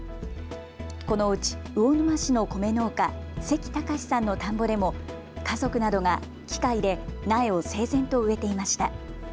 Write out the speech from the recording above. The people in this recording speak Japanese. このうち魚沼市の米農家、関隆さんの田んぼでも家族などが機械で苗を整然と植えていました。